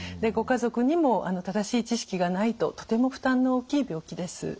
ご家族にも正しい知識がないととても負担の大きい病気です。